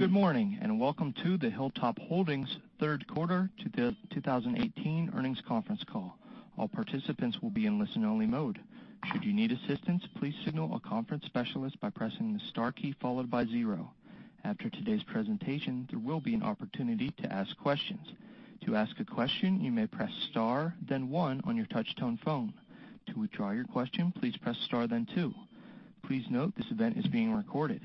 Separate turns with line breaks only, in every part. Good morning, and welcome to the Hilltop Holdings third quarter 2018 earnings conference call. All participants will be in listen-only mode. Should you need assistance, please signal a conference specialist by pressing the star key followed by 0. After today's presentation, there will be an opportunity to ask questions. To ask a question, you may press star then 1 on your touch-tone phone. To withdraw your question, please press star then 2. Please note this event is being recorded.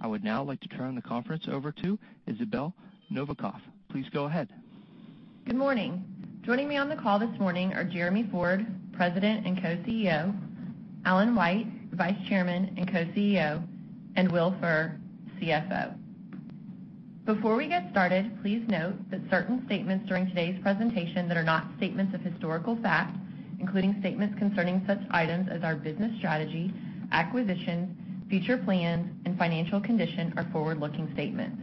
I would now like to turn the conference over to Erik Yohe. Please go ahead.
Good morning. Joining me on the call this morning are Jeremy Ford, President and Co-CEO, Alan White, Vice Chairman and Co-CEO, and Will Furr, CFO. Before we get started, please note that certain statements during today's presentation that are not statements of historical fact, including statements concerning such items as our business strategy, acquisition, future plans, and financial condition, are forward-looking statements.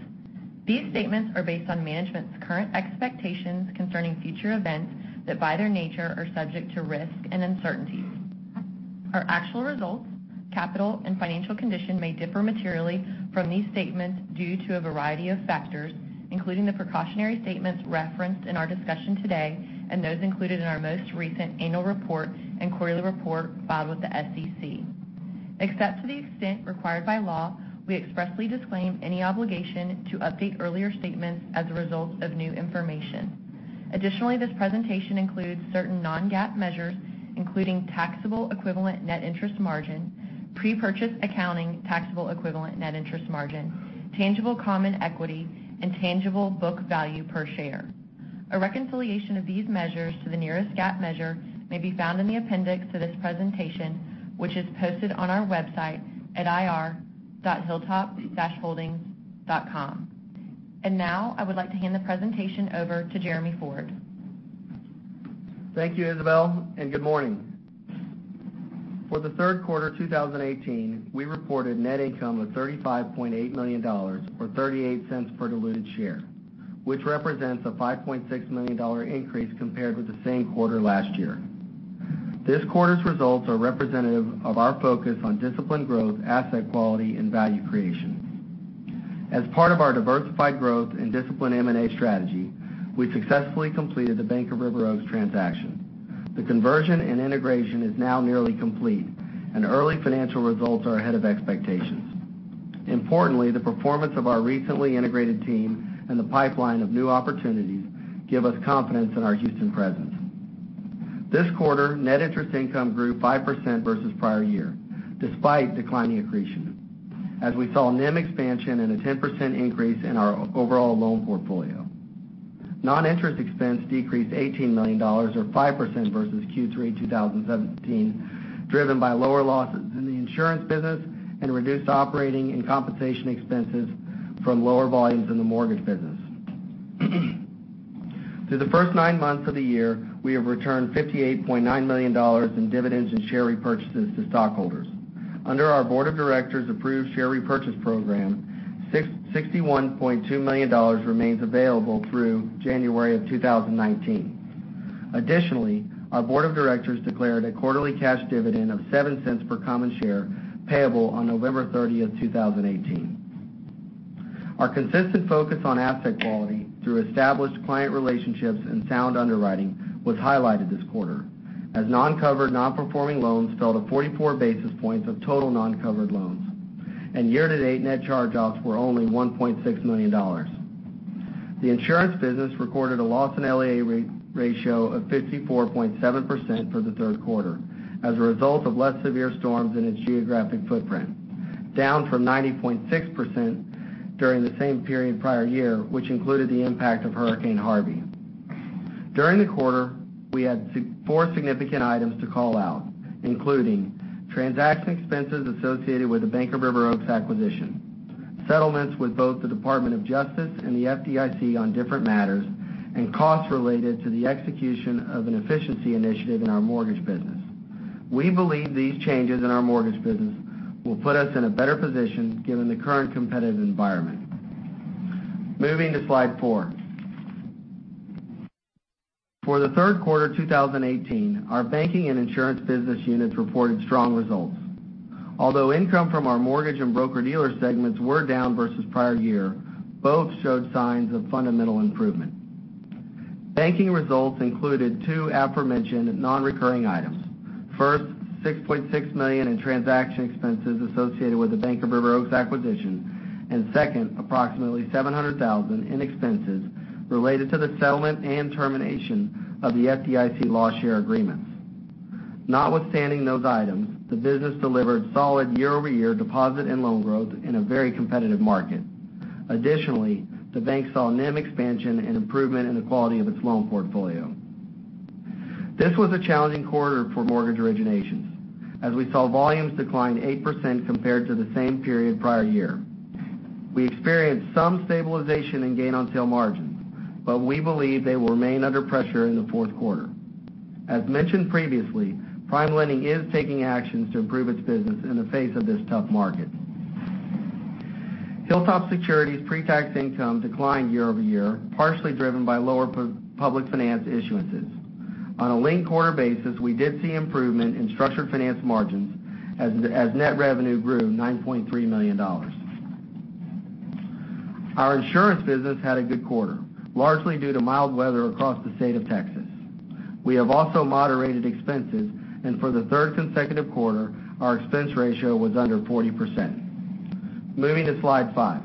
These statements are based on management's current expectations concerning future events that by their nature are subject to risk and uncertainties. Our actual results, capital, and financial condition may differ materially from these statements due to a variety of factors, including the precautionary statements referenced in our discussion today and those included in our most recent annual report and quarterly report filed with the SEC. Except to the extent required by law, we expressly disclaim any obligation to update earlier statements as a result of new information. Additionally, this presentation includes certain non-GAAP measures, including taxable equivalent net interest margin, prepurchase accounting taxable equivalent net interest margin, tangible common equity, and tangible book value per share. A reconciliation of these measures to the nearest GAAP measure may be found in the appendix to this presentation, which is posted on our website at ir.hilltop-holdings.com. Now, I would like to hand the presentation over to Jeremy Ford.
Thank you, Isabel, and good morning. For the third quarter 2018, we reported net income of $35.8 million, or $0.38 per diluted share, which represents a $5.6 million increase compared with the same quarter last year. This quarter's results are representative of our focus on disciplined growth, asset quality, and value creation. As part of our diversified growth and disciplined M&A strategy, we successfully completed The Bank of River Oaks transaction. The conversion and integration is now nearly complete, and early financial results are ahead of expectations. Importantly, the performance of our recently integrated team and the pipeline of new opportunities give us confidence in our Houston presence. This quarter, net interest income grew 5% versus prior year, despite declining accretion, as we saw NIM expansion and a 10% increase in our overall loan portfolio. Non-interest expense decreased $18 million, or 5%, versus Q3 2017, driven by lower losses in the insurance business and reduced operating and compensation expenses from lower volumes in the mortgage business. Through the first nine months of the year, we have returned $58.9 million in dividends and share repurchases to stockholders. Under our board of directors approved share repurchase program, $61.2 million remains available through January of 2019. Additionally, our board of directors declared a quarterly cash dividend of $0.07 per common share payable on November 30th, 2018. Our consistent focus on asset quality through established client relationships and sound underwriting was highlighted this quarter, as non-covered non-performing loans fell to 44 basis points of total non-covered loans. Year-to-date, net charge-offs were only $1.6 million. The insurance business recorded a loss and LAE ratio of 54.7% for the third quarter as a result of less severe storms in its geographic footprint, down from 90.6% during the same period prior year, which included the impact of Hurricane Harvey. During the quarter, we had four significant items to call out, including transaction expenses associated with The Bank of River Oaks acquisition, settlements with both the Department of Justice and the FDIC on different matters, and costs related to the execution of an efficiency initiative in our mortgage business. We believe these changes in our mortgage business will put us in a better position given the current competitive environment. Moving to slide four. For the third quarter 2018, our banking and insurance business units reported strong results. Income from our mortgage and broker-dealer segments were down versus prior year, both showed signs of fundamental improvement. Banking results included two aforementioned non-recurring items. First, $6.6 million in transaction expenses associated with The Bank of River Oaks acquisition, and second, approximately $700,000 in expenses related to the settlement and termination of the FDIC loss share agreements. Notwithstanding those items, the business delivered solid year-over-year deposit and loan growth in a very competitive market. Additionally, the bank saw NIM expansion and improvement in the quality of its loan portfolio. This was a challenging quarter for mortgage originations, as we saw volumes decline 8% compared to the same period prior year. We experienced some stabilization in gain-on-sale margins, we believe they will remain under pressure in the fourth quarter. As mentioned previously, PrimeLending is taking actions to improve its business in the face of this tough market. Hilltop Securities' pre-tax income declined year-over-year, partially driven by lower public finance issuances. On a linked quarter basis, we did see improvement in structured finance margins as net revenue grew $9.3 million. Our insurance business had a good quarter, largely due to mild weather across the state of Texas. We have also moderated expenses, for the third consecutive quarter, our expense ratio was under 40%. Moving to slide five.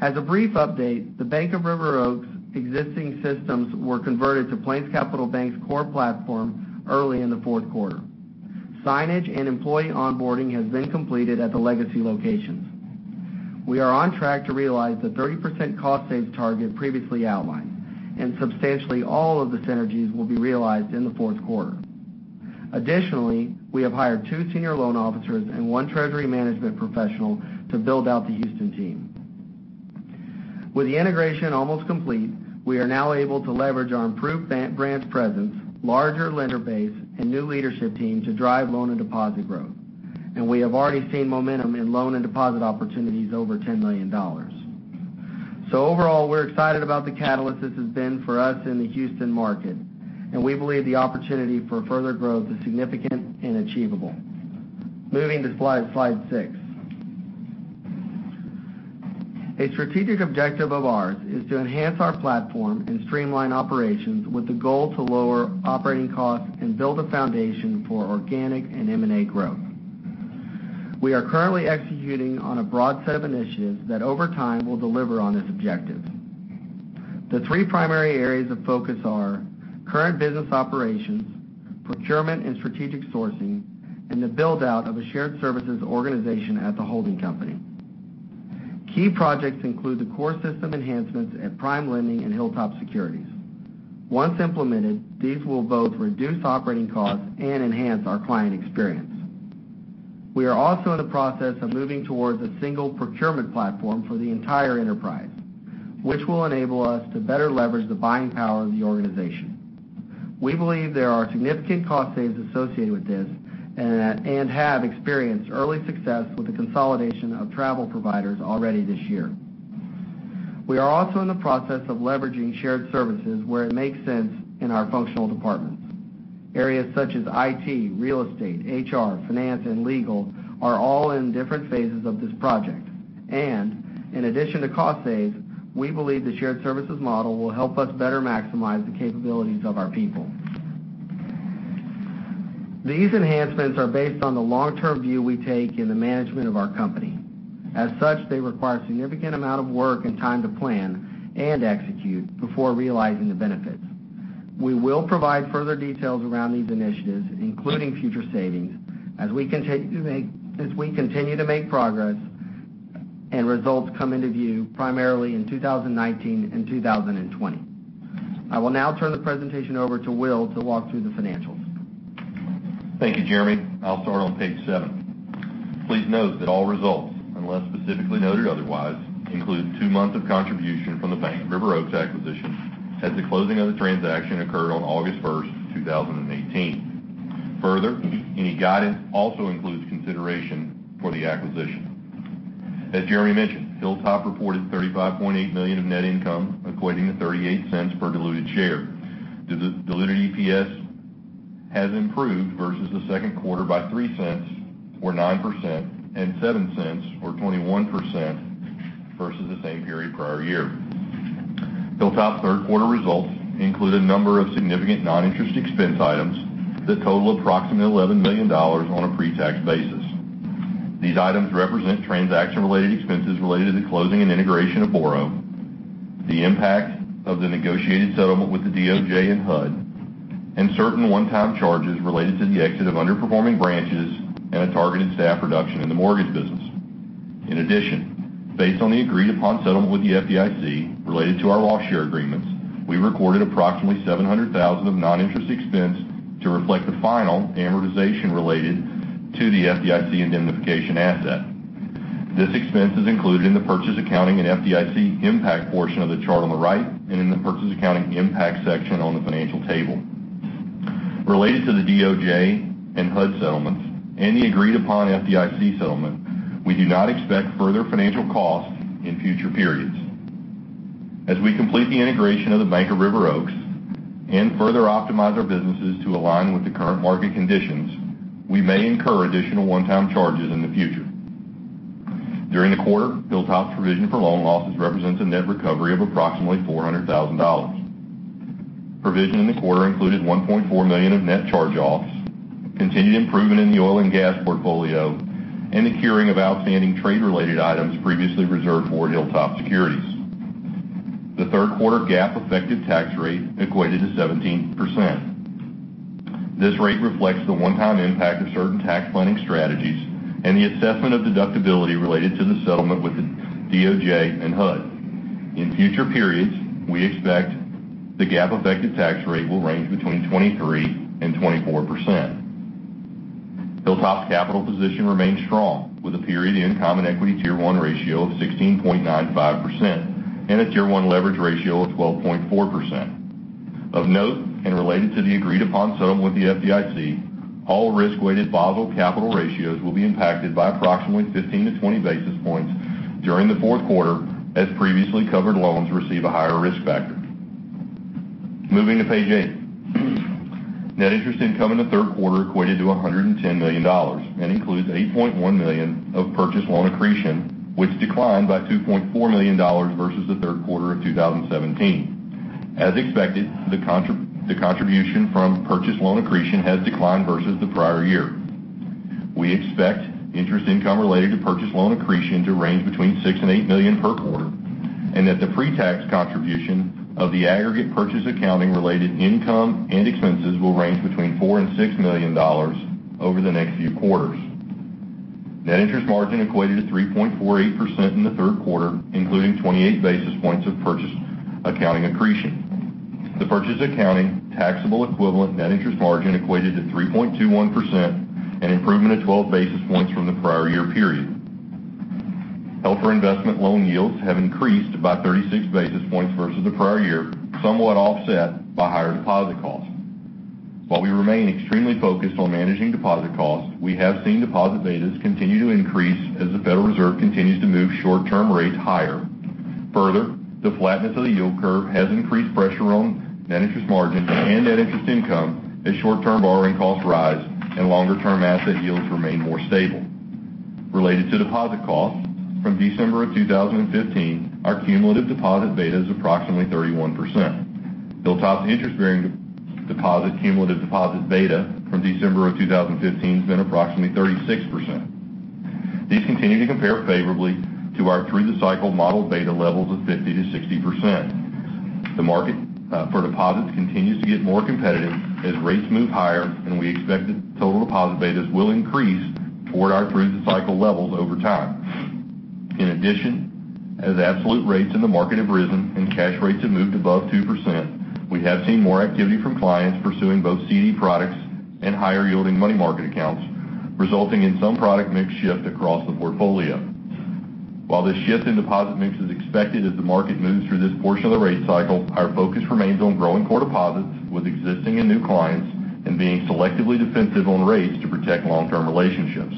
As a brief update, The Bank of River Oaks existing systems were converted to PlainsCapital Bank's core platform early in the fourth quarter. Signage and employee onboarding has been completed at the legacy locations. We are on track to realize the 30% cost saves target previously outlined, substantially all of the synergies will be realized in the fourth quarter. Additionally, we have hired two senior loan officers and one treasury management professional to build out the Houston team. With the integration almost complete, we are now able to leverage our improved branch presence, larger lender base, and new leadership team to drive loan and deposit growth. We have already seen momentum in loan and deposit opportunities over $10 million. Overall, we're excited about the catalyst this has been for us in the Houston market, and we believe the opportunity for further growth is significant and achievable. Moving to Slide 6. A strategic objective of ours is to enhance our platform and streamline operations with the goal to lower operating costs and build a foundation for organic and M&A growth. We are currently executing on a broad set of initiatives that over time will deliver on this objective. The three primary areas of focus are current business operations, procurement and strategic sourcing, and the build-out of a shared services organization at the holding company. Key projects include the core system enhancements at PrimeLending and Hilltop Securities. Once implemented, these will both reduce operating costs and enhance our client experience. We are also in the process of moving towards a single procurement platform for the entire enterprise, which will enable us to better leverage the buying power of the organization. We believe there are significant cost saves associated with this and have experienced early success with the consolidation of travel providers already this year. We are also in the process of leveraging shared services where it makes sense in our functional departments. Areas such as IT, real estate, HR, finance, and legal are all in different phases of this project. In addition to cost saves, we believe the shared services model will help us better maximize the capabilities of our people. These enhancements are based on the long-term view we take in the management of our company. As such, they require a significant amount of work and time to plan and execute before realizing the benefits. We will provide further details around these initiatives, including future savings, as we continue to make progress and results come into view primarily in 2019 and 2020. I will now turn the presentation over to Will to walk through the financials.
Thank you, Jeremy. I'll start on page seven. Please note that all results, unless specifically noted otherwise, include two months of contribution from The Bank of River Oaks acquisition as the closing of the transaction occurred on August 1st, 2018. Further, any guidance also includes consideration for the acquisition. As Jeremy mentioned, Hilltop reported $35.8 million of net income, equating to $0.38 per diluted share. The diluted EPS has improved versus the second quarter by $0.03 or 9%, and $0.07 or 21% versus the same period prior year. Hilltop third quarter results include a number of significant non-interest expense items that total approximately $11 million on a pre-tax basis. These items represent transaction-related expenses related to the closing and integration of Boro, the impact of the negotiated settlement with the DOJ and HUD, and certain one-time charges related to the exit of underperforming branches and a targeted staff reduction in the mortgage business. In addition, based on the agreed-upon settlement with the FDIC related to our loss share agreements, we recorded approximately $700,000 of non-interest expense to reflect the final amortization related to the FDIC indemnification asset. This expense is included in the purchase accounting and FDIC impact portion of the chart on the right and in the purchase accounting impact section on the financial table. Related to the DOJ and HUD settlements and the agreed-upon FDIC settlement, we do not expect further financial costs in future periods. As we complete the integration of The Bank of River Oaks and further optimize our businesses to align with the current market conditions, we may incur additional one-time charges in the future. During the quarter, Hilltop's provision for loan losses represents a net recovery of approximately $400,000. Provision in the quarter included $1.4 million of net charge-offs, continued improvement in the oil and gas portfolio, and the curing of outstanding trade-related items previously reserved for Hilltop Securities. The third quarter GAAP effective tax rate equated to 17%. This rate reflects the one-time impact of certain tax planning strategies and the assessment of deductibility related to the settlement with the DOJ and HUD. In future periods, we expect the GAAP effective tax rate will range between 23% and 24%. Hilltop's capital position remains strong, with a period-end common equity Tier 1 ratio of 16.95% and a Tier 1 leverage ratio of 12.4%. Of note and related to the agreed-upon sum with the FDIC, all risk-weighted viable capital ratios will be impacted by approximately 15-20 basis points during the fourth quarter, as previously covered loans receive a higher risk factor. Moving to page eight. Net interest income in the third quarter equated to $110 million. That includes $8.1 million of purchase loan accretion, which declined by $2.4 million versus the third quarter of 2017. As expected, the contribution from purchase loan accretion has declined versus the prior year. We expect interest income related to purchase loan accretion to range between $6 million and $8 million per quarter, and that the pre-tax contribution of the aggregate purchase accounting-related income and expenses will range between $4 million and $6 million over the next few quarters. Net interest margin equated to 3.48% in the third quarter, including 28 basis points of purchase accounting accretion. The purchase accounting taxable-equivalent net interest margin equated to 3.21%, an improvement of 12 basis points from the prior year period. Held-for-investment loan yields have increased by 36 basis points versus the prior year, somewhat offset by higher deposit costs. While we remain extremely focused on managing deposit costs, we have seen deposit betas continue to increase as the Federal Reserve continues to move short-term rates higher. Further, the flatness of the yield curve has increased pressure on net interest margins and net interest income as short-term borrowing costs rise and longer-term asset yields remain more stable. Related to deposit costs, from December of 2015, our cumulative deposit beta is approximately 31%. Hilltop's interest-bearing deposit cumulative deposit beta from December of 2015 has been approximately 36%. These continue to compare favorably to our through-the-cycle model beta levels of 50%-60%. The market for deposits continues to get more competitive as rates move higher. We expect that total deposit betas will increase toward our through-the-cycle levels over time. In addition, as absolute rates in the market have risen and cash rates have moved above 2%, we have seen more activity from clients pursuing both CD products and higher-yielding money market accounts, resulting in some product mix shift across the portfolio. While this shift in deposit mix is expected as the market moves through this portion of the rate cycle, our focus remains on growing core deposits with existing and new clients and being selectively defensive on rates to protect long-term relationships.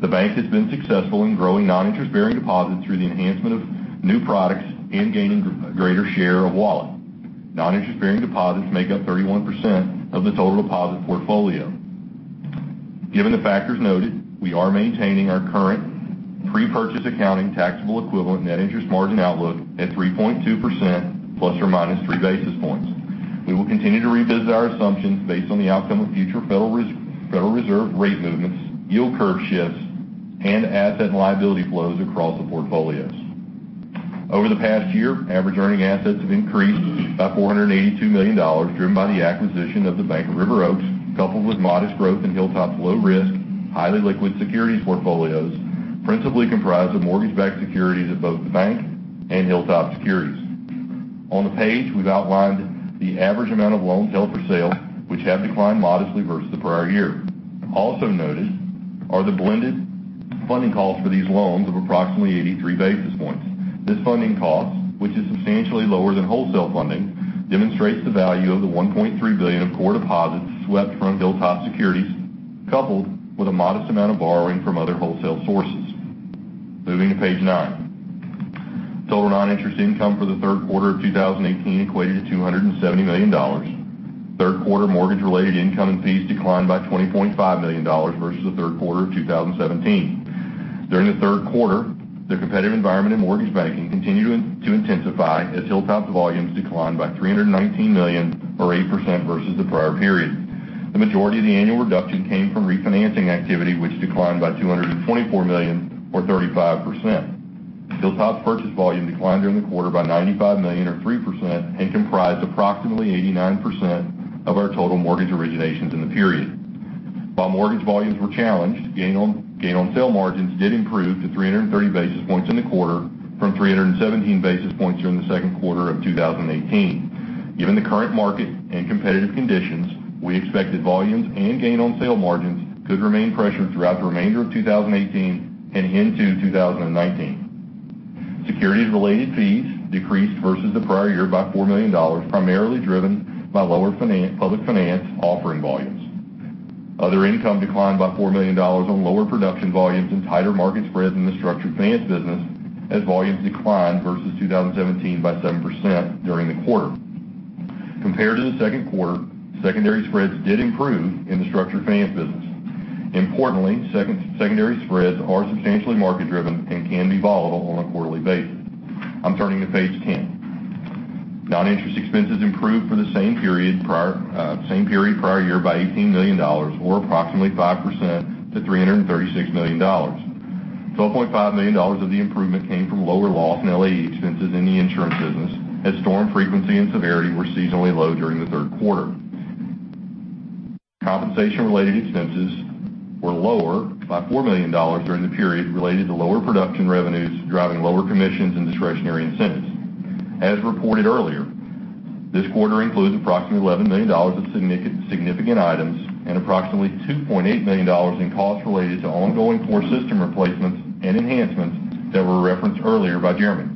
The bank has been successful in growing non-interest-bearing deposits through the enhancement of new products and gaining greater share of wallet. Non-interest-bearing deposits make up 31% of the total deposit portfolio. Given the factors noted, we are maintaining our current pre-purchase accounting taxable-equivalent net interest margin outlook at 3.2% ± 3 basis points. We will continue to revisit our assumptions based on the outcome of future Federal Reserve rate movements, yield curve shifts, and asset and liability flows across the portfolios. Over the past year, average earning assets have increased by $482 million, driven by the acquisition of The Bank of River Oaks, coupled with modest growth in Hilltop's low-risk, highly liquid securities portfolios, principally comprised of mortgage-backed securities at both the bank and Hilltop Securities. On the page, we've outlined the average amount of loans held for sale, which have declined modestly versus the prior year. Also noted are the blended funding costs for these loans of approximately 83 basis points. This funding cost, which is substantially lower than wholesale funding, demonstrates the value of the $1.3 billion of core deposits swept from Hilltop Securities, coupled with a modest amount of borrowing from other wholesale sources. Moving to page nine. Total non-interest income for the third quarter of 2018 equated to $270 million. Third-quarter mortgage-related income and fees declined by $20.5 million versus the third quarter of 2017. During the third quarter, the competitive environment in mortgage banking continued to intensify as Hilltop's volumes declined by $319 million or 8% versus the prior period. The majority of the annual reduction came from refinancing activity, which declined by $224 million or 35%. Hilltop's purchase volume declined during the quarter by $95 million or 3%. Comprised approximately 89% of our total mortgage originations in the period. While mortgage volumes were challenged, gain on sale margins did improve to 330 basis points in the quarter from 317 basis points during the second quarter of 2018. Given the current market and competitive conditions, we expect that volumes and gain on sale margins could remain pressured throughout the remainder of 2018 and into 2019. Securities-related fees decreased versus the prior year by $4 million, primarily driven by lower public finance offering volumes. Other income declined by $4 million on lower production volumes and tighter margin spreads in the structured finance business, as volumes declined versus 2017 by 7% during the quarter. Compared to the second quarter, secondary spreads did improve in the structured finance business. Importantly, secondary spreads are substantially market-driven and can be volatile on a quarterly basis. I'm turning to page 10. Non-interest expenses improved for the same period prior year by $18 million, or approximately 5%, to $336 million. $12.5 million of the improvement came from lower loss and LAE expenses in the insurance business as storm frequency and severity were seasonally low during the third quarter. Compensation-related expenses were lower by $4 million during the period related to lower production revenues driving lower commissions and discretionary incentives. As reported earlier, this quarter includes approximately $11 million of significant items and approximately $2.8 million in costs related to ongoing core system replacements and enhancements that were referenced earlier by Jeremy.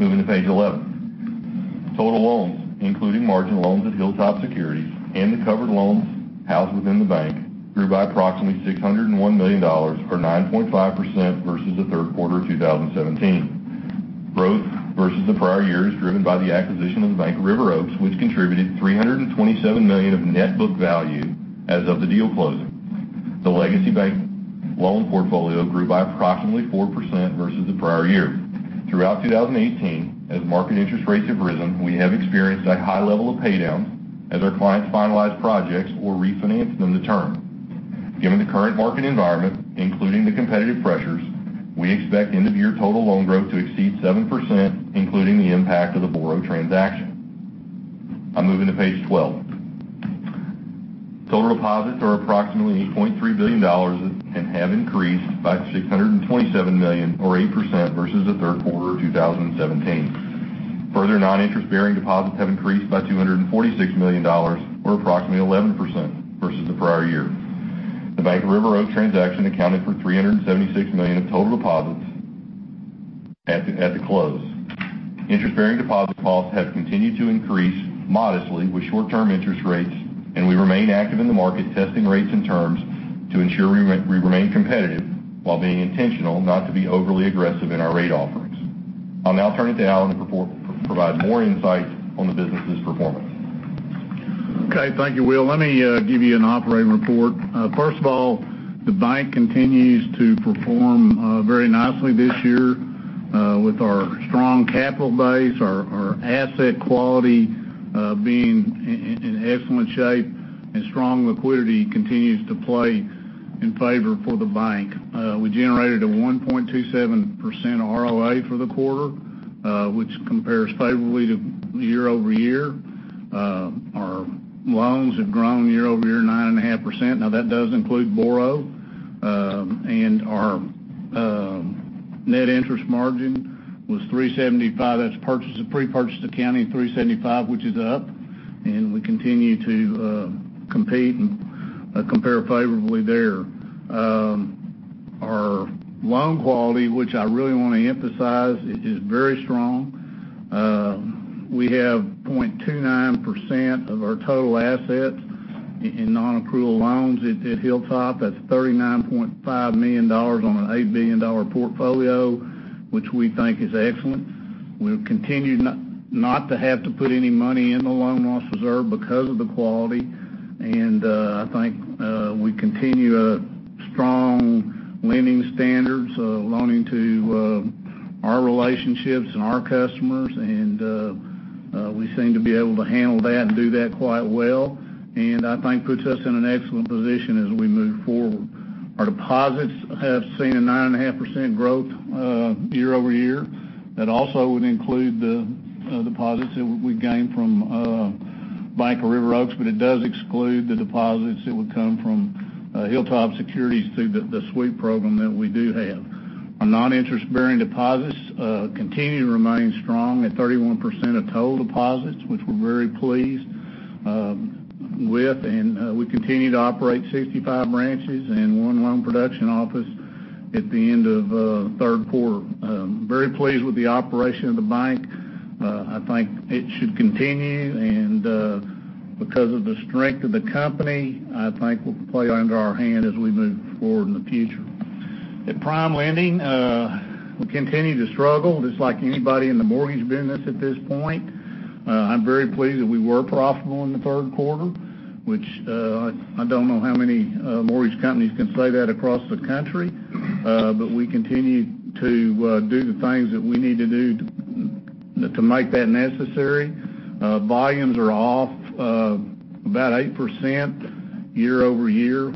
Moving to page 11. Total loans, including margin loans at Hilltop Securities and the covered loans housed within the bank, grew by approximately $601 million, or 9.5%, versus the third quarter of 2017. Growth versus the prior year is driven by the acquisition of The Bank of River Oaks, which contributed $327 million of net book value as of the deal closing. The legacy bank loan portfolio grew by approximately 4% versus the prior year. Throughout 2018, as market interest rates have risen, we have experienced a high level of paydown as our clients finalize projects or refinance them to term. Given the current market environment, including the competitive pressures, we expect end-of-year total loan growth to exceed 7%, including the impact of the Boro transaction. I'm moving to page 12. Total deposits are approximately $8.3 billion and have increased by $627 million, or 8%, versus the third quarter of 2017. Further non-interest-bearing deposits have increased by $246 million, or approximately 11%, versus the prior year. The Bank of River Oaks transaction accounted for $376 million of total deposits at the close. Interest-bearing deposit costs have continued to increase modestly with short-term interest rates, and we remain active in the market, testing rates and terms to ensure we remain competitive while being intentional not to be overly aggressive in our rate offerings. I'll now turn it to Alan to provide more insights on the businesses' performance.
Okay. Thank you, Will. Let me give you an operating report. First of all, the bank continues to perform very nicely this year with our strong capital base, our asset quality being in excellent shape, and strong liquidity continues to play in favor for the bank. We generated a 1.27% ROA for the quarter, which compares favorably to year-over-year. Our loans have grown year-over-year nine and a half percent. Now, that does include Boro. Our net interest margin was 375. That's prepurchase accounting 375, which is up, and we continue to compete and compare favorably there. Our loan quality, which I really want to emphasize, is very strong. We have 0.29% of our total assets in non-accrual loans at Hilltop. That's $39.5 million on an $8 billion portfolio, which we think is excellent. We've continued not to have to put any money in the loan loss reserve because of the quality. I think we continue strong lending standards, loaning to our relationships and our customers, and we seem to be able to handle that and do that quite well, and I think puts us in an excellent position as we move forward. Our deposits have seen a 9.5% growth year-over-year. That also would include the deposits that we gained from The Bank of River Oaks, but it does exclude the deposits that would come from Hilltop Securities through the sweep program that we do have. Our non-interest-bearing deposits continue to remain strong at 31% of total deposits, which we're very pleased with. We continue to operate 65 branches and one loan production office at the end of third quarter. Very pleased with the operation of the bank. I think it should continue, and because of the strength of the company, I think we'll play under our hand as we move forward in the future. At PrimeLending, we continue to struggle, just like anybody in the mortgage business at this point. I'm very pleased that we were profitable in the third quarter, which I don't know how many mortgage companies can say that across the country. We continue to do the things that we need to do to make that necessary. Volumes are off about 8% year-over-year,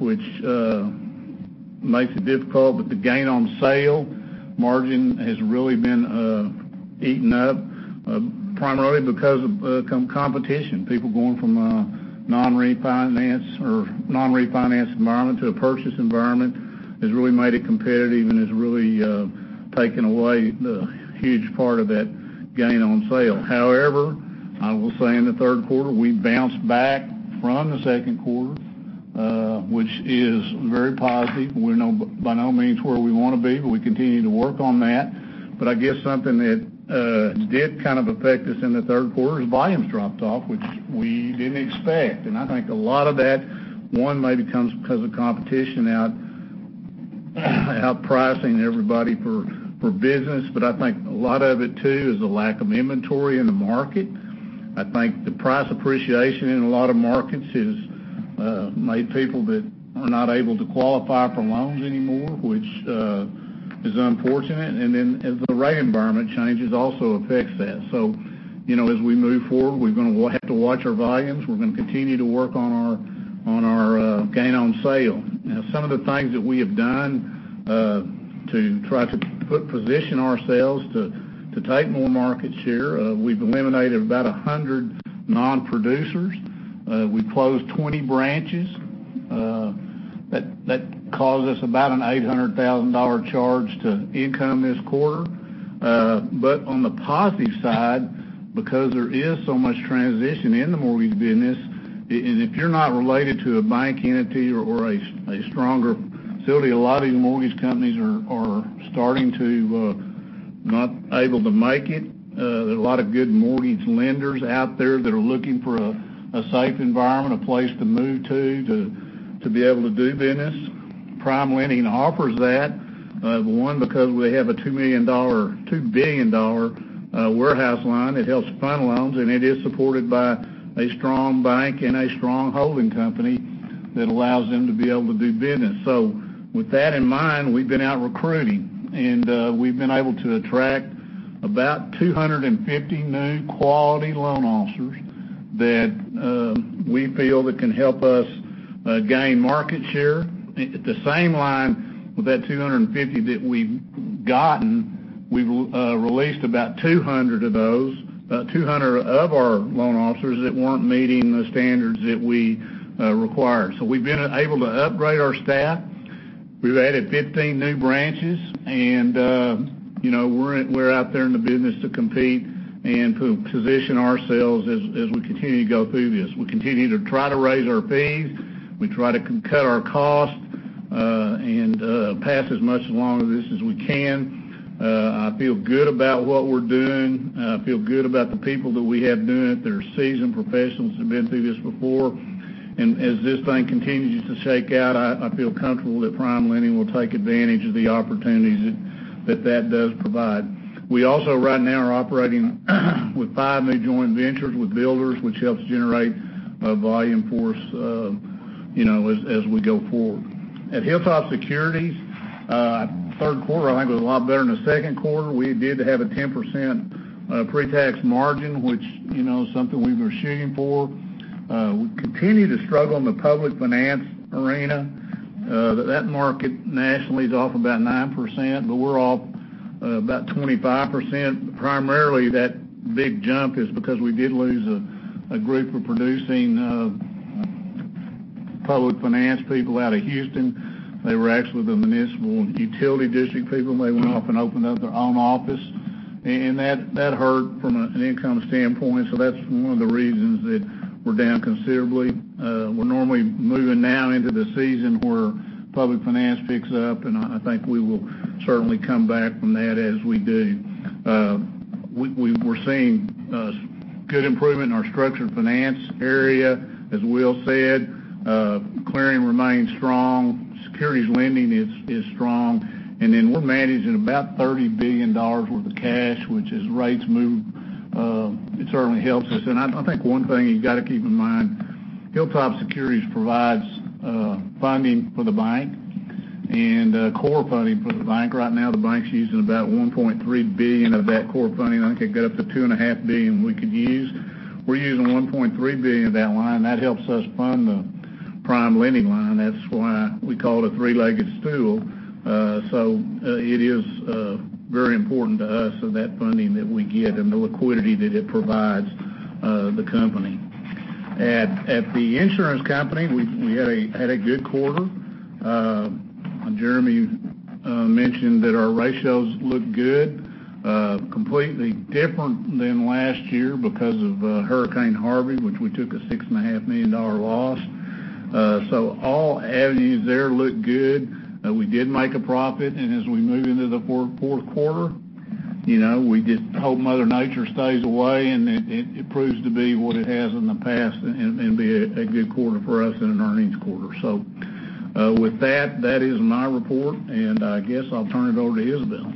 which makes it difficult. The gain on sale margin has really been eaten up, primarily because of competition. People going from a non-refinance environment to a purchase environment has really made it competitive and has really taken away the huge part of that gain on sale. However, I will say in the third quarter, we bounced back from the second quarter, which is very positive. We're by no means where we want to be, but we continue to work on that. I guess something that did kind of affect us in the third quarter is volumes dropped off, which we didn't expect. I think a lot of that, one, maybe comes because of competition outpricing everybody for business. I think a lot of it, too, is the lack of inventory in the market. I think the price appreciation in a lot of markets has made people that are not able to qualify for loans anymore, which is unfortunate. As the rate environment changes, also affects that. As we move forward, we're going to have to watch our volumes. We're going to continue to work on our gain on sale. Some of the things that we have done to try to position ourselves to take more market share, we've eliminated about 100 non-producers. We closed 20 branches. That cost us about an $800,000 charge to income this quarter. On the positive side, because there is so much transition in the mortgage business, and if you're not related to a bank entity or a stronger Sylvia, a lot of these mortgage companies are starting to not able to make it. There are a lot of good mortgage lenders out there that are looking for a safe environment, a place to move to be able to do business. PrimeLending offers that, one, because we have a $2 billion warehouse line. It helps fund loans, and it is supported by a strong bank and a strong holding company that allows them to be able to do business. With that in mind, we've been out recruiting, and we've been able to attract about 250 new quality loan officers that we feel that can help us gain market share. At the same time, with that 250 that we've gotten, we've released about 200 of our loan officers that weren't meeting the standards that we require. We've been able to upgrade our staff. We've added 15 new branches, and we're out there in the business to compete and to position ourselves as we continue to go through this. We continue to try to raise our fees. We try to cut our costs, and pass as much along of this as we can. I feel good about what we're doing. I feel good about the people that we have doing it. They're seasoned professionals who have been through this before. As this thing continues to shake out, I feel comfortable that PrimeLending will take advantage of the opportunities that that does provide. We also right now are operating with five new joint ventures with builders, which helps generate a volume force as we go forward. At Hilltop Securities, third quarter I think was a lot better than the second quarter. We did have a 10% pretax margin, which is something we were shooting for. We continue to struggle in the public finance arena. That market nationally is off about 9%, but we're off about 25%. Primarily, that big jump is because we did lose a group of producing public finance people out of Houston. They were actually the municipal and utility district people, and they went off and opened up their own office. That hurt from an income standpoint, so that's one of the reasons that we're down considerably. We're normally moving now into the season where public finance picks up, and I think we will certainly come back from that as we do. We're seeing good improvement in our structured finance area, as Will said. Clearing remains strong. Securities lending is strong. Then we're managing about $30 billion worth of cash, which as rates move, it certainly helps us. I think one thing you've got to keep in mind, Hilltop Securities provides funding for the bank and core funding for the bank. Right now, the bank's using about $1.3 billion of that core funding. I think it got up to $2.5 billion we could use. We're using $1.3 billion of that line. That helps us fund the PrimeLending line. That's why we call it a three-legged stool. It is very important to us, so that funding that we get and the liquidity that it provides the company. At the insurance company, we had a good quarter. Jeremy mentioned that our ratios look good. Completely different than last year because of Hurricane Harvey, which we took a $6.5 million loss. All avenues there look good. We did make a profit, and as we move into the fourth quarter, we just hope Mother Nature stays away, and it proves to be what it has in the past, and be a good quarter for us and an earnings quarter. With that is my report, and I guess I'll turn it over to Isabelle.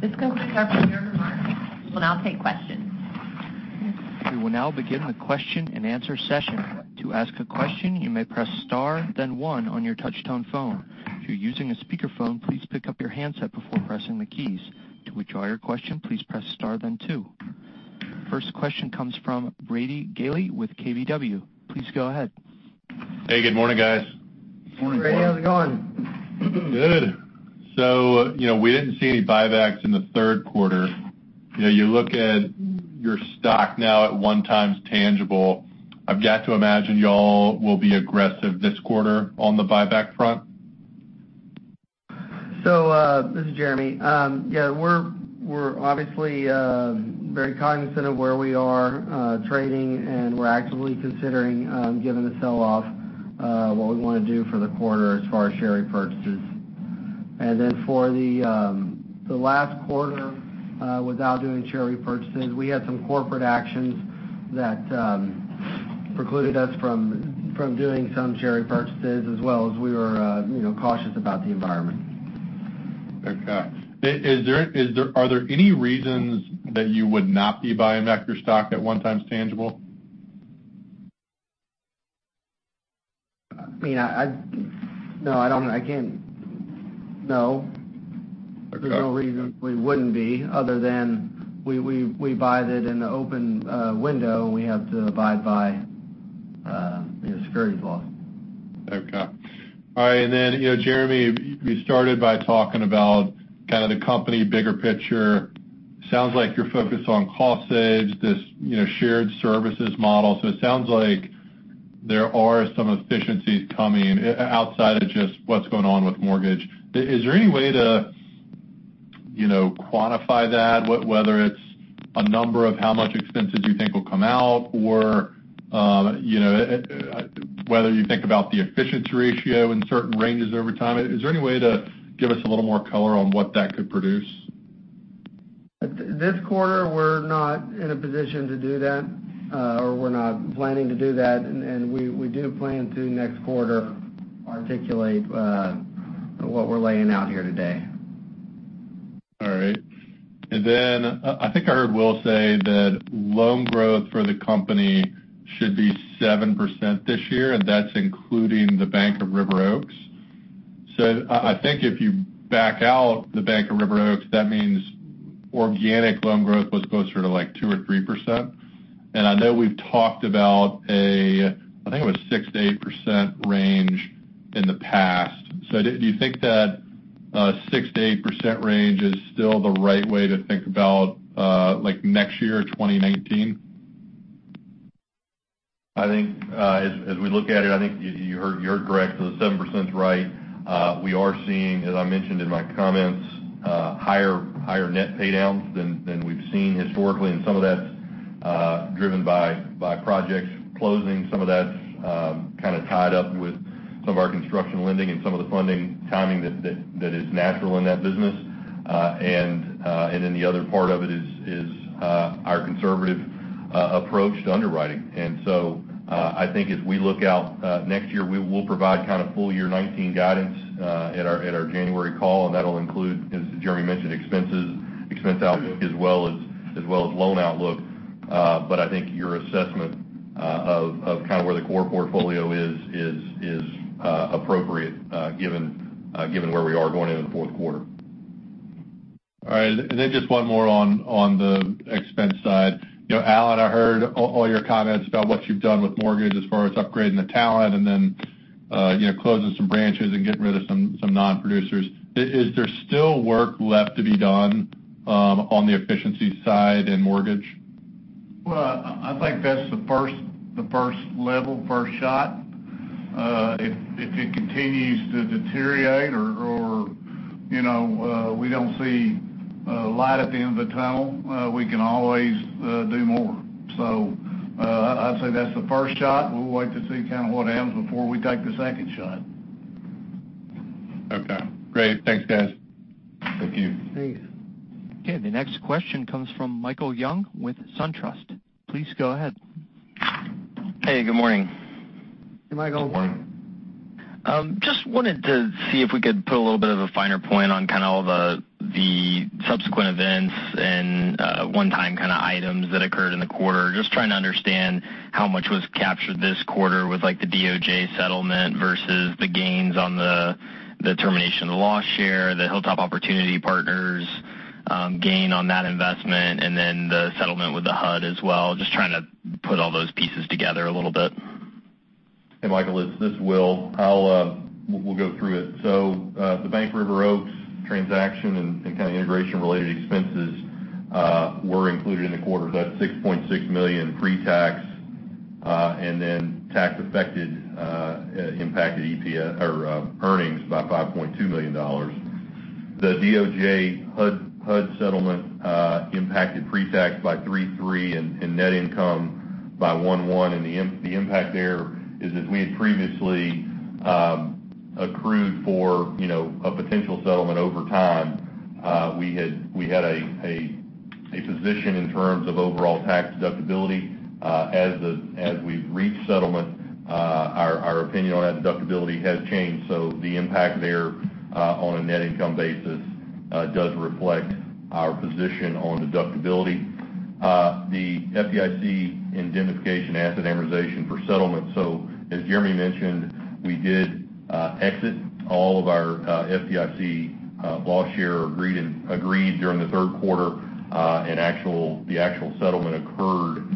This completes our prepared remarks. We`'ll now take questions.
We will now begin the question and answer session. To ask a question, you may press star, then one on your touchtone phone. If you're using a speakerphone, please pick up your handset before pressing the keys. To withdraw your question, please press star, then two. First question comes from Brady Gailey with KBW. Please go ahead.
Hey, good morning, guys.
Morning, Brady.
Brady, how's it going?
Good. We didn't see any buybacks in the third quarter. You look at your stock now at one times tangible. I've got to imagine you all will be aggressive this quarter on the buyback front.
This is Jeremy. Yeah, we're obviously very cognizant of where we are trading, and we're actively considering, given the sell-off, what we want to do for the quarter as far as share repurchases. For the last quarter, without doing share repurchases, we had some corporate actions that precluded us from doing some share repurchases, as well as we were cautious about the environment.
Okay. Are there any reasons that you would not be buying back your stock at one times tangible?
No.
Okay.
There's no reason we wouldn't be, other than we buy that in the open window, and we have to abide by securities law.
Okay. All right, Jeremy, you started by talking about kind of the company bigger picture. It sounds like you're focused on cost saves, this shared services model. It sounds like there are some efficiencies coming outside of just what's going on with mortgage. Is there any way to quantify that, whether it's a number of how much expenses you think will come out or whether you think about the efficiency ratio in certain ranges over time. Is there any way to give us a little more color on what that could produce?
This quarter, we're not in a position to do that, or we're not planning to do that. We do plan to, next quarter, articulate what we're laying out here today.
All right. I think I heard Will say that loan growth for the company should be 7% this year, and that's including The Bank of River Oaks. I think if you back out The Bank of River Oaks, that means organic loan growth was closer to 2% or 3%. I know we've talked about a, I think it was 6%-8% range in the past. Do you think that 6%-8% range is still the right way to think about next year or 2019?
I think, as we look at it, I think you heard, you're correct. The 7% is right. We are seeing, as I mentioned in my comments, higher net pay-downs than we've seen historically, and some of that's driven by projects closing. Some of that's kind of tied up with some of our construction lending and some of the funding timing that is natural in that business. The other part of it is our conservative approach to underwriting. I think as we look out next year, we will provide kind of full year 2019 guidance at our January call. That will include, as Jeremy mentioned, expenses, expense outlook as well as loan outlook. I think your assessment of where the core portfolio is appropriate, given where we are going into the fourth quarter.
All right. Just one more on the expense side. Alan, I heard all your comments about what you've done with mortgage as far as upgrading the talent and then closing some branches and getting rid of some non-producers. Is there still work left to be done on the efficiency side in mortgage?
Well, I think that's the first level, first shot. If it continues to deteriorate or we don't see light at the end of the tunnel, we can always do more. I'd say that's the first shot. We'll wait to see kind of what happens before we take the second shot.
Okay, great. Thanks, guys.
Thank you.
Thanks.
Okay, the next question comes from Michael Young with SunTrust. Please go ahead.
Hey, good morning.
Hey, Michael.
Good morning.
Just wanted to see if we could put a little bit of a finer point on kind of all the subsequent events and one-time kind of items that occurred in the quarter. Just trying to understand how much was captured this quarter with the DOJ settlement versus the gains on the termination of the loss share, the Hilltop Opportunity Partners gain on that investment, and then the settlement with the HUD as well. Just trying to put all those pieces together a little bit.
Hey, Michael, this is Will. We'll go through it. The Bank of River Oaks transaction and kind of integration-related expenses were included in the quarter. That's $6.6 million pre-tax, and then tax affected, impacted EPS or earnings by $5.2 million. The DOJ HUD settlement impacted pre-tax by $3.3 and net income by $1.1, and the impact there is that we had previously accrued for a potential settlement over time. We had a position in terms of overall tax deductibility. As we've reached settlement, our opinion on that deductibility has changed. The impact there, on a net income basis, does reflect our position on deductibility. The FDIC indemnification asset amortization for settlement. As Jeremy mentioned, we did exit all of our FDIC loss share agreed during the third quarter, and the actual settlement occurred,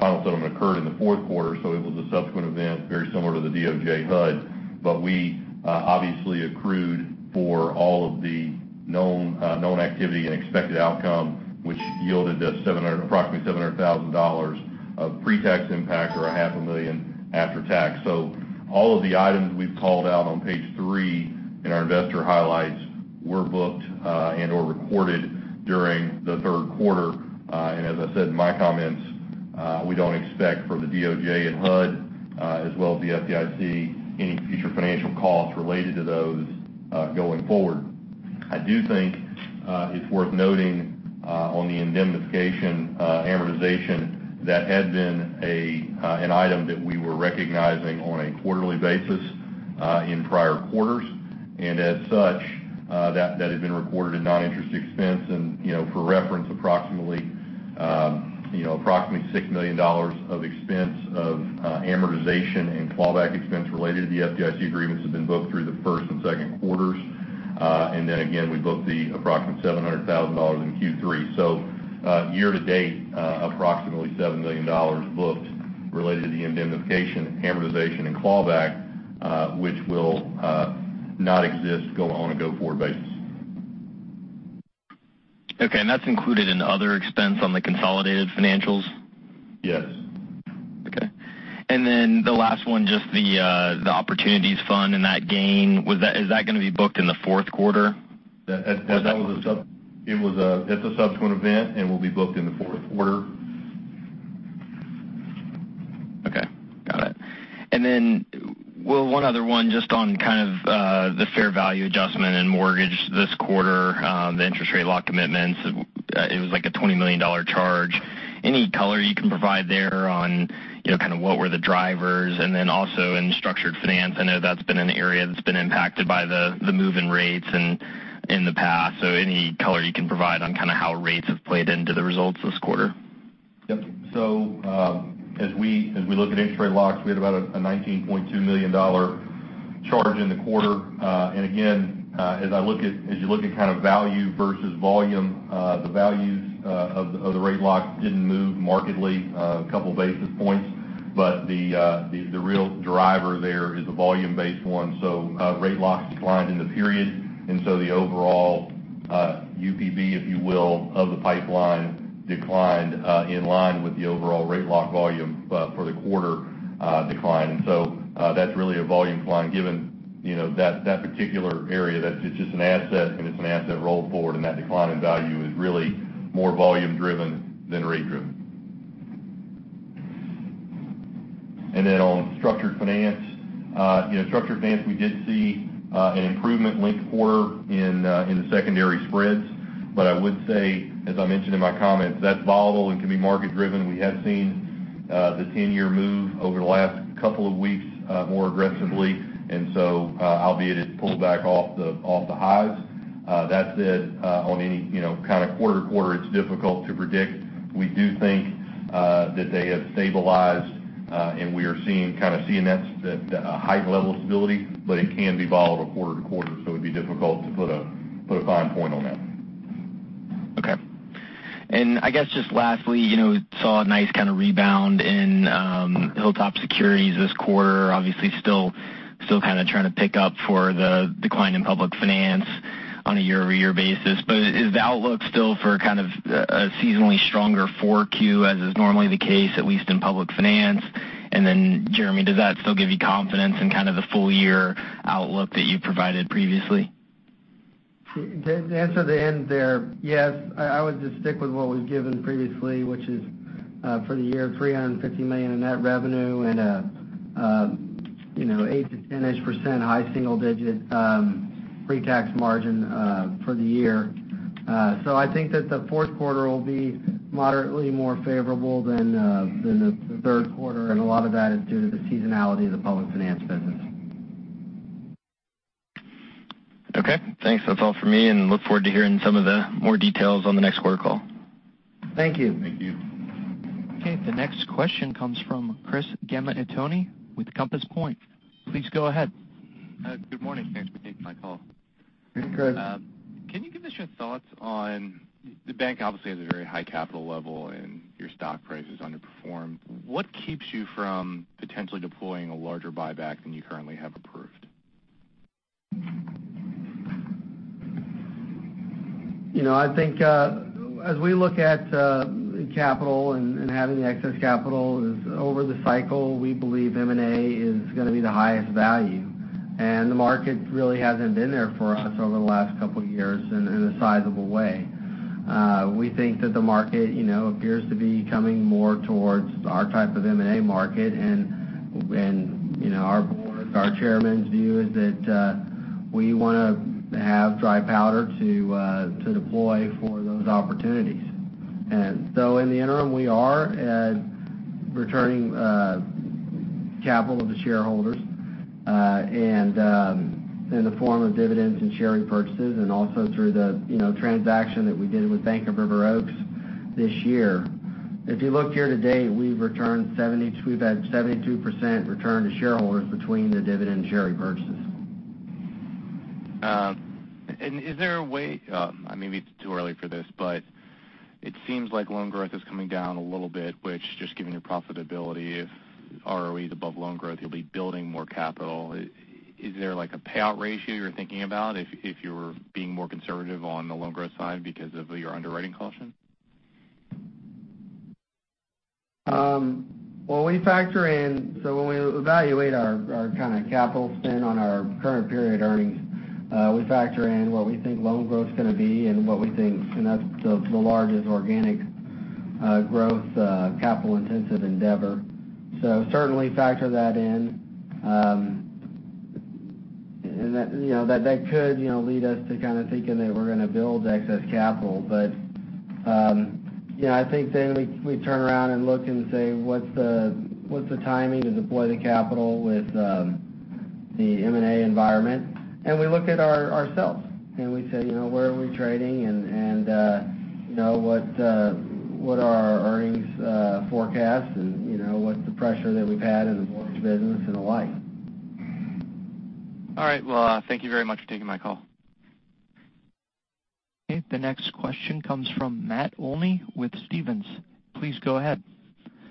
final settlement occurred in the fourth quarter. It was a subsequent event, very similar to the DOJ HUD. We obviously accrued for all of the known activity and expected outcome, which yielded us approximately $700,000 of pre-tax impact or a half a million after tax. All of the items we've called out on page three in our investor highlights were booked, and or recorded during the third quarter. As I said in my comments, we don't expect from the DOJ and HUD, as well as the FDIC, any future financial costs related to those going forward. I do think it's worth noting on the indemnification amortization, that had been an item that we were recognizing on a quarterly basis in prior quarters. As such, that had been recorded in non-interest expense. For reference, approximately $6 million of expense of amortization and clawback expense related to the FDIC agreements have been booked through the first and second quarters. Again, we booked the approximate $700,000 in Q3. Year to date, approximately $7 million booked related to the indemnification, amortization, and clawback, which will not exist on a go-forward basis.
Okay, that's included in other expense on the consolidated financials?
Yes.
Okay. The last one, just the opportunities fund and that gain. Is that going to be booked in the fourth quarter?
It's a subsequent event, and will be booked in the fourth quarter.
Okay, got it. One other one just on the fair value adjustment and mortgage this quarter, the interest rate lock commitments. It was like a $20 million charge. Any color you can provide there on what were the drivers? Also in structured finance, I know that's been an area that's been impacted by the move in rates in the past. Any color you can provide on how rates have played into the results this quarter?
Yep. As we look at interest rate locks, we had about a $19.2 million charge in the quarter. Again, as you look at value versus volume, the values of the rate locks didn't move markedly, a couple of basis points. The real driver there is a volume-based one. Rate locks declined in the period, the overall UPB, if you will, of the pipeline declined in line with the overall rate lock volume for the quarter decline. That's really a volume decline given that particular area. It's just an asset, and it's an asset rolled forward, and that decline in value is really more volume-driven than rate-driven. On structured finance, we did see an improvement linked quarter in the secondary spreads. I would say, as I mentioned in my comments, that's volatile and can be market-driven. We have seen the 10-year move over the last couple of weeks more aggressively. Albeit, it's pulled back off the highs. That said, on any kind of quarter to quarter, it's difficult to predict. We do think that they have stabilized, and we are seeing that heightened level of stability, but it can be volatile quarter to quarter, so it'd be difficult to put a fine point on that.
Okay. I guess just lastly, saw a nice kind of rebound in Hilltop Securities this quarter. Obviously still kind of trying to pick up for the decline in public finance on a year-over-year basis. Is the outlook still for a seasonally stronger 4Q as is normally the case, at least in public finance? Jeremy, does that still give you confidence in the full-year outlook that you provided previously?
To answer the end there, yes, I would just stick with what was given previously, which is, for the year, $350 million in net revenue and an 8% to 10-ish percent high single digit pre-tax margin for the year. I think that the fourth quarter will be moderately more favorable than the third quarter, and a lot of that is due to the seasonality of the public finance business.
Okay, thanks. That's all for me, and look forward to hearing some of the more details on the next quarter call.
Thank you.
Thank you.
Okay, the next question comes from Chris Gamaitoni with Compass Point. Please go ahead.
Good morning. Thanks for taking my call.
Hey, Chris.
Can you give us your thoughts. The bank obviously has a very high capital level, and your stock price has underperformed. What keeps you from potentially deploying a larger buyback than you currently have approved?
I think, as we look at capital and having excess capital is, over the cycle, we believe M&A is going to be the highest value. The market really hasn't been there for us over the last couple of years in a sizable way. We think that the market appears to be coming more towards our type of M&A market. Our board, our chairman's view is that we want to have dry powder to deploy for those opportunities. In the interim, we are returning capital to shareholders in the form of dividends and share repurchases, and also through the transaction that we did with The Bank of River Oaks this year. If you look year to date, we've had 72% return to shareholders between the dividend and share repurchases.
Is there a way, maybe it's too early for this, but it seems like loan growth is coming down a little bit, which just given your profitability, if ROE is above loan growth, you'll be building more capital. Is there a payout ratio you're thinking about if you're being more conservative on the loan growth side because of your underwriting caution?
When we evaluate our capital spend on our current period earnings, we factor in what we think loan growth's going to be, and that's the largest organic growth capital-intensive endeavor. Certainly factor that in. That could lead us to thinking that we're going to build excess capital. I think then we turn around and look and say, what's the timing to deploy the capital with the M&A environment? We look at ourselves and we say, where are we trading and what are our earnings forecasts and what's the pressure that we've had in the mortgage business and the like.
All right. Well, thank you very much for taking my call.
Okay, the next question comes from Matt Olney with Stephens. Please go ahead.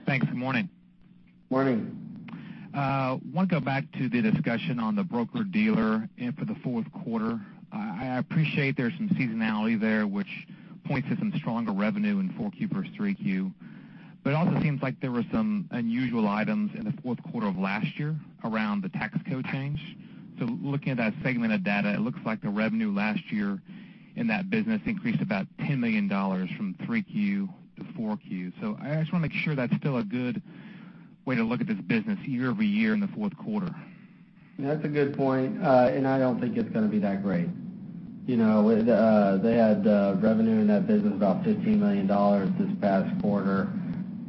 Thanks. Good morning.
Morning.
I want to go back to the discussion on the broker-dealer for the fourth quarter. I appreciate there's some seasonality there which points to some stronger revenue in 4Q for 3Q. It also seems like there were some unusual items in the fourth quarter of last year around the tax code change. Looking at that segment of data, it looks like the revenue last year in that business increased about $10 million from 3Q to 4Q. I just want to make sure that's still a good way to look at this business year-over-year in the fourth quarter.
That's a good point, and I don't think it's going to be that great. They had revenue in that business about $15 million this past quarter.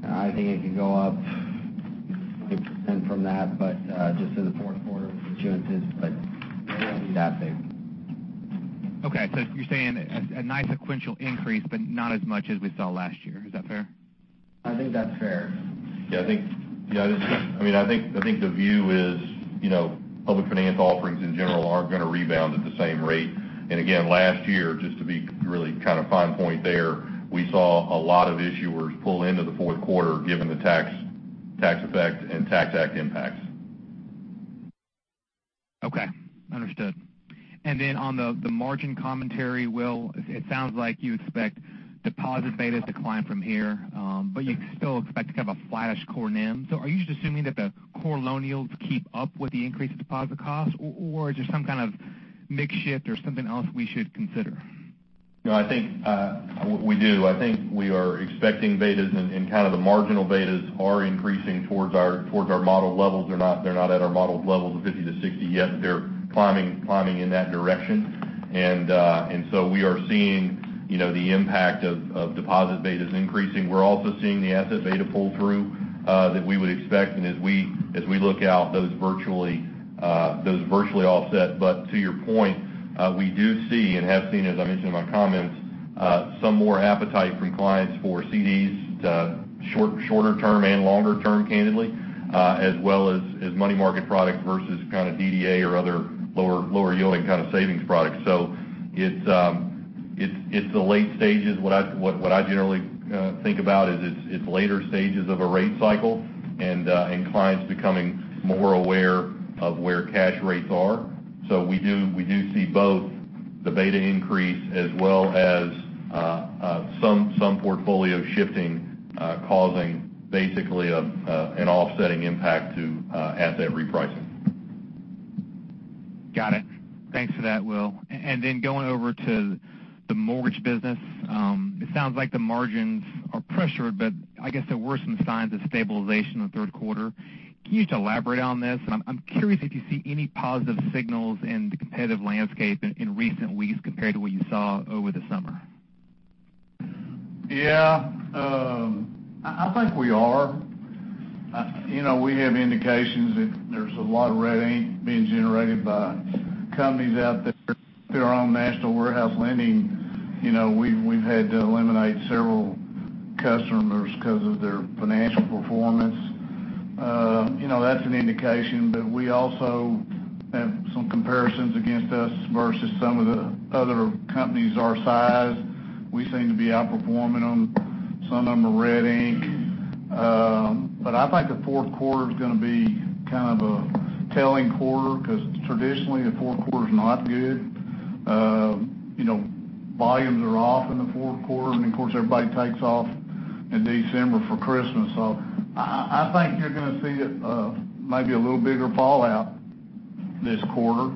I think it could go up from that, but just in the fourth quarter with adjustments, but it won't be that big.
Okay, you're saying a nice sequential increase, but not as much as we saw last year. Is that fair?
I think that's fair.
Yeah, I think the view is public finance offerings in general aren't going to rebound at the same rate. Again, last year, just to be really kind of fine point there, we saw a lot of issuers pull into the fourth quarter given the tax effect and tax act impacts.
Okay, understood. Then on the margin commentary, Will, it sounds like you expect deposit betas to climb from here, but you still expect to have a flattish core NIM. Are you just assuming that the core loan yields keep up with the increase in deposit costs, or just some kind of mix shift or something else we should consider?
No, I think we do. I think we are expecting betas and kind of the marginal betas are increasing towards our modeled levels. They're not at our modeled levels of 50-60 yet. They're climbing in that direction. We are seeing the impact of deposit betas increasing. We're also seeing the asset beta pull through that we would expect. As we look out, those virtually offset. To your point, we do see and have seen, as I mentioned in my comments, some more appetite from clients for CDs to shorter term and longer term, candidly, as well as money market product versus DDA or other lower yielding kind of savings products. It's the late stages. What I generally think about is it's later stages of a rate cycle and clients becoming more aware of where cash rates are. We do see both the beta increase as well as some portfolio shifting causing basically an offsetting impact to asset repricing.
Got it. Thanks for that, Will. Going over to the mortgage business. It sounds like the margins are pressured, but I guess there were some signs of stabilization in the third quarter. Can you just elaborate on this? I'm curious if you see any positive signals in the competitive landscape in recent weeks compared to what you saw over the summer.
Yeah, I think we are. We have indications that there's a lot of red ink being generated by companies out there that are on national warehouse lending. We've had to eliminate several customers because of their financial performance. That's an indication, we also have some comparisons against us versus some of the other companies our size. We seem to be outperforming them. Some of them are red ink. I think the fourth quarter is going to be kind of a telling quarter because traditionally the fourth quarter is not good. Volumes are off in the fourth quarter, and of course, everybody takes off in December for Christmas. I think you're going to see maybe a little bigger fallout this quarter,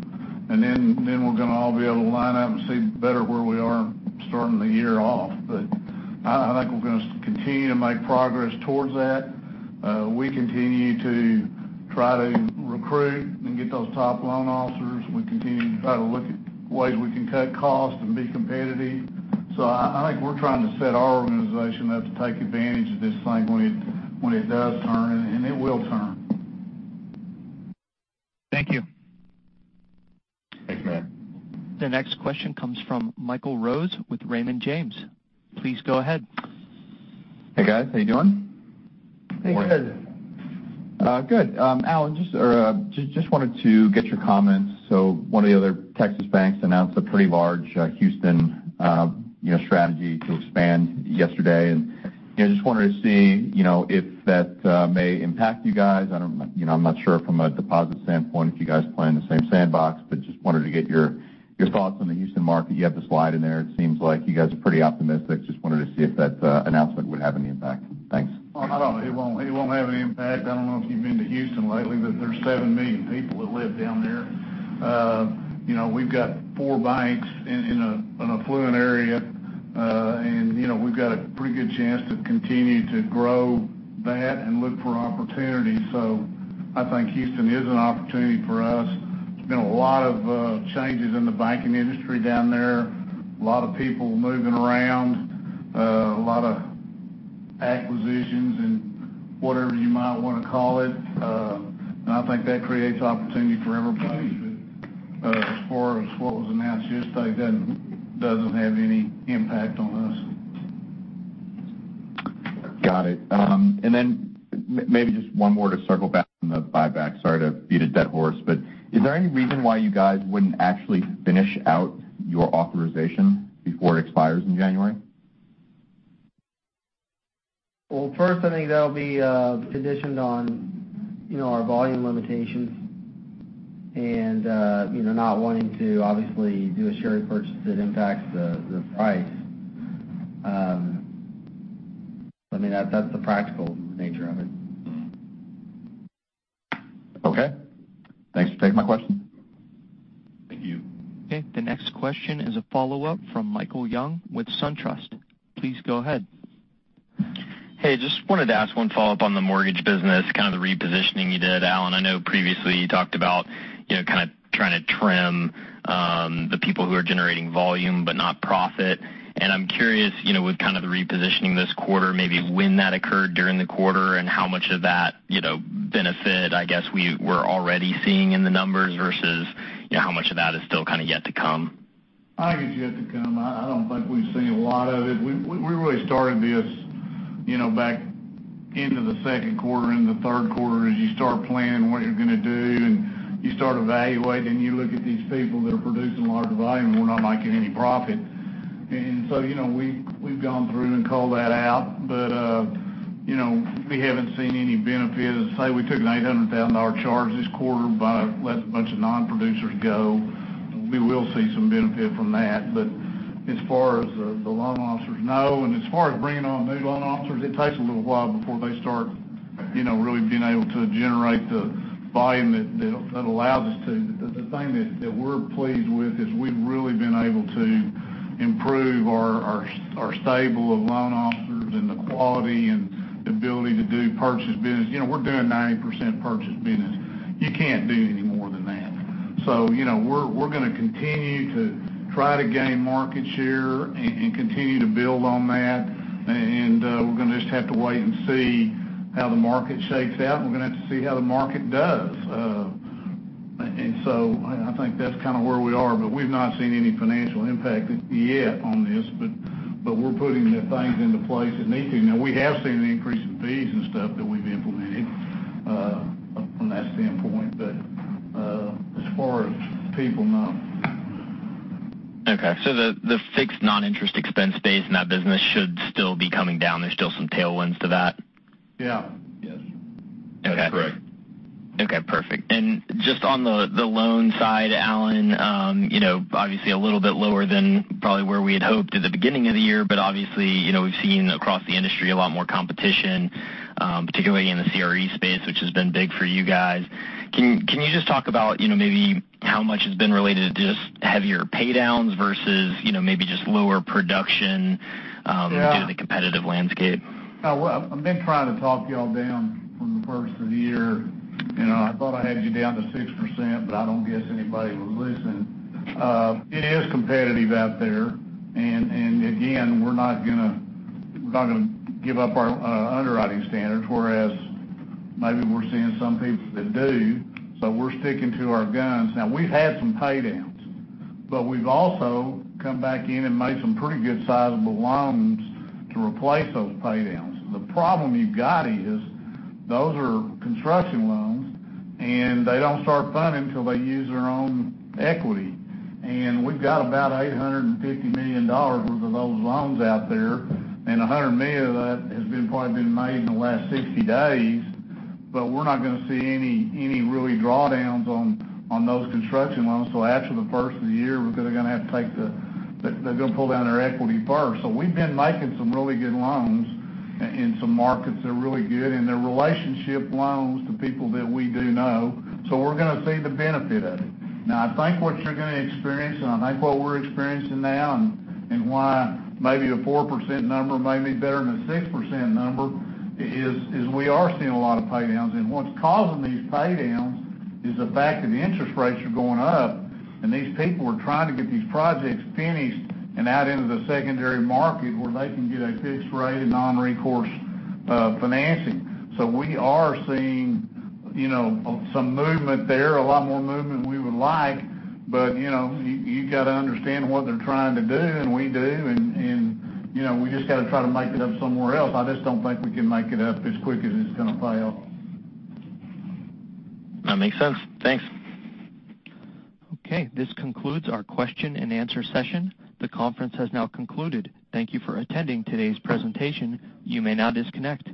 and then we're going to all be able to line up and see better where we are starting the year off. I think we're going to continue to make progress towards that. We continue to try to recruit and get those top loan officers. We continue to try to look at ways we can cut costs and be competitive. I think we're trying to set our organization up to take advantage of this thing when it does turn, and it will turn.
Thank you.
Thanks, Matt.
The next question comes from Michael Rose with Raymond James. Please go ahead.
Hey, guys. How you doing?
Hey, good.
Good. Alan, just wanted to get your comments. One of the other Texas banks announced a pretty large Houston strategy to expand yesterday, just wanted to see if that may impact you guys. I'm not sure from a deposit standpoint if you guys play in the same sandbox, just wanted to get your thoughts on the Houston market. You have the slide in there. It seems like you guys are pretty optimistic. Just wanted to see if that announcement would have any impact. Thanks.
It won't have any impact. I don't know if you've been to Houston lately, there's 7 million people that live down there. We've got four banks in an affluent area, we've got a pretty good chance to continue to grow that and look for opportunities. I think Houston is an opportunity for us. There's been a lot of changes in the banking industry down there, a lot of people moving around, a lot of acquisitions and whatever you might want to call it. I think that creates opportunity for everybody. As far as what was announced yesterday, that doesn't have any impact on us.
Got it. Then maybe just one more to circle back on the buyback. Sorry to beat a dead horse, but is there any reason why you guys wouldn't actually finish out your authorization before it expires in January?
Well, first, I think that'll be conditioned on our volume limitations and not wanting to obviously do a share repurchase that impacts the price. That's the practical nature of it.
Okay. Thanks for taking my question.
Thank you.
Okay. The next question is a follow-up from Michael Young with SunTrust. Please go ahead.
Hey, just wanted to ask one follow-up on the mortgage business, kind of the repositioning you did, Alan. I know previously you talked about trying to trim the people who are generating volume but not profit, and I'm curious, with kind of the repositioning this quarter, maybe when that occurred during the quarter, and how much of that benefit, I guess, we're already seeing in the numbers versus how much of that is still kind of yet to come.
I think it's yet to come. I don't think we've seen a lot of it. We really started this back into the second quarter, into the third quarter, as you start planning what you're going to do, you start evaluating, you look at these people that are producing a lot of volume, we're not making any profit. We've gone through and called that out. We haven't seen any benefit. Say we took an $800,000 charge this quarter by letting a bunch of non-producers go. We will see some benefit from that. As far as the loan officers know, and as far as bringing on new loan officers, it takes a little while before they start really being able to generate the volume that allows us to. The thing that we're pleased with is we've really been able to improve our stable of loan officers and the quality and ability to do purchase business. We're doing 90% purchase business. You can't do any more than that. We're going to continue to try to gain market share and continue to build on that. We're going to just have to wait and see how the market shakes out, and we're going to have to see how the market does. I think that's kind of where we are, but we've not seen any financial impact yet on this, but we're putting the things into place that need to. Now, we have seen the increase in fees and stuff that we've implemented from that standpoint. As far as people, no.
Okay. The fixed non-interest expense base in that business should still be coming down. There's still some tailwinds to that?
Yeah. Yes.
Okay.
Correct.
Okay, perfect. Just on the loan side, Alan, obviously a little bit lower than probably where we had hoped at the beginning of the year, but obviously, we've seen across the industry a lot more competition, particularly in the CRE space, which has been big for you guys. Can you just talk about maybe how much has been related to just heavier pay downs versus maybe just lower production,
Yeah
due to the competitive landscape?
Well, I've been trying to talk you all down from the first of the year. I thought I had you down to 6%, but I don't guess anybody was listening. It is competitive out there. Again, we're not going to give up our underwriting standards, whereas maybe we're seeing some people that do. We're sticking to our guns. Now, we've had some pay downs. We've also come back in and made some pretty good sizable loans to replace those pay downs. The problem you've got is those are construction loans. They don't start funding till they use their own equity. We've got about $850 million worth of those loans out there. $100 million of that has probably been made in the last 60 days, but we're not going to see any really draw downs on those construction loans till after the first of the year. They're going to pull down their equity first. We've been making some really good loans in some markets that are really good. They're relationship loans to people that we do know. We're going to see the benefit of it. Now, I think what you're going to experience, I think what we're experiencing now, why maybe a 4% number may be better than a 6% number, is we are seeing a lot of pay downs. What's causing these pay downs is the fact that interest rates are going up. These people are trying to get these projects finished out into the secondary market where they can get a fixed rate non-recourse financing. We are seeing some movement there. A lot more movement we would like, but you got to understand what they're trying to do. We do. We just got to try to make it up somewhere else. I just don't think we can make it up as quick as it's going to pay off.
That makes sense. Thanks.
Okay, this concludes our question and answer session. The conference has now concluded. Thank you for attending today's presentation. You may now disconnect.